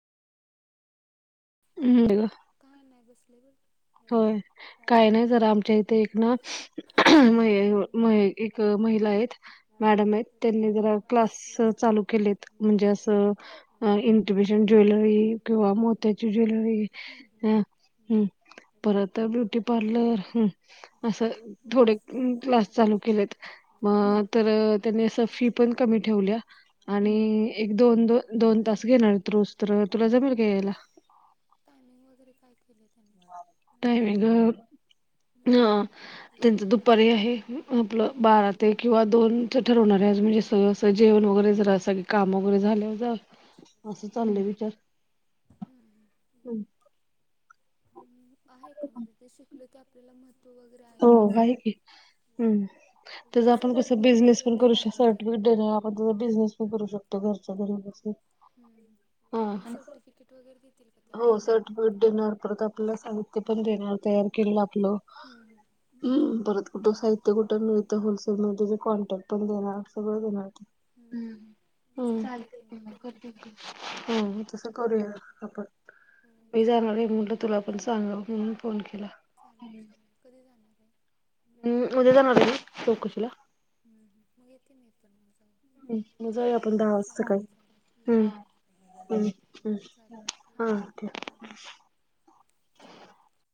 हम् काय नाही बसले बग. होय काय नाही जरा आमच्या इथे एक ना एक महिला आहेत मॅडम आहेत त्यांनी जरा क्लास चालू केलेत म्हणजे असं इंटिबेशन ज्वेलरी किंवा मोत्याची ज्वेलरी. ह हम्म. परत ब्युटी पार्लर हम्म असं थोडे क्लास चालू केलेत मग तर त्यांनी असं फी पण कमी ठेवल्या आणि एक दो दोन तास घेणार रोज तर तुला जमेल का यायला? वगैरे काय केले? टायमिंग अ त्यांचं दुपारी आहे आपलं बारा ते किंवा दोनचा ठरवणारे म्हणजे स स जेवण वगैरे जरा स काम वगैरे झाले जा असं चाललय विचार. हम्म. आहे का म्हणजे ते शिकल की आ आपल्याला मह हो आहे की हम्म त्याचा आपण कसं बिझनेस पण करू शक सर्टिफिकेट देनं आपण त्या बिझनेस पण करू शकतो घरच्या घरी. हम्म आणि सर्टिफिकेट वगैरे देतील. हो सर्टिफिकेट देणार परत आपल्याला साहित्य पण देणार तयार केलं आपलं परत कुठं साहित्य कुठं मिळतं होलसेल मध्ये जे कॉन्ट्रॅक्ट पण देणार सगळं देणार हम्म हम्म चालतं म कर हम्म मी तसं करूया आपण. मी जाणार आहे म्हटलं तुला पण सांगव म्हणून फोन केला. हम्म उद्या जाणार आहे ना चौकशीला. [inaudible] हम्म जाऊ आपण दहा वाजता सकाळी. हम्म हम्म हम्म हा.